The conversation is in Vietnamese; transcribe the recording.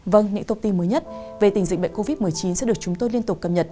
vâng những thông tin mới nhất về tình dịch bệnh covid một mươi chín sẽ được chúng tôi liên tục cập nhật